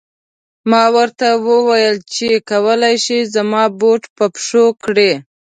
ما ورته و ویل چې کولای شې زما بوټ په پښو کړې.